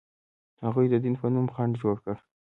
هغوی د دین په نوم خنډ جوړ کړ.